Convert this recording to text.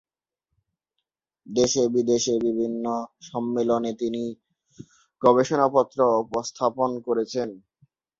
দেশে-বিদেশে বিভিন্ন সম্মেলনে তিনি গবেষণাপত্র উপস্থাপন করেছেন।